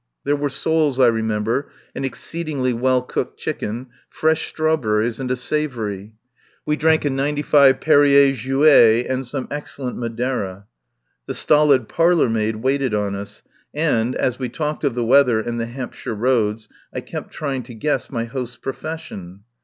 There were soles, I remember, an ex ceedingly well cooked chicken, fresh straw berries and a savoury. We drank a '95 Per rier Jouet and some excellent Madeira. The stolid parlour maid waited on us, and, as we talked of the weather and the Hampshire roads, I kept trying to guess my host's pro fession.